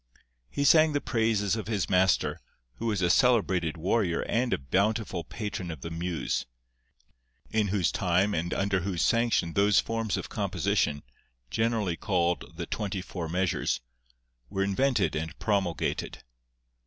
He sang the praises of his master, who was a celebrated warrior and a bountiful patron of the muse, in whose time and under whose sanction those forms of composition, generally called the twenty four measures, were invented and promulgated.